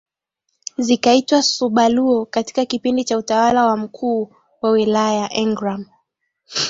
zikaitwa Suba Luo katika kipindi cha utawala wa mkuu wa wilaya Engram